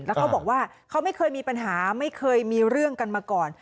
แล้วเขาบอกว่าเขาไม่เคยมีปัญหาไม่เคยมีเรื่องกันมาก่อน